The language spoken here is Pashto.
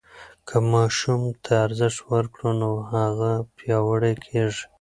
که ماشوم ته ارزښت ورکړو نو هغه پیاوړی کېږي.